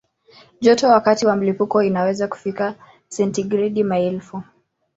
Joto wakati wa mlipuko inaweza kufikia sentigredi maelfu.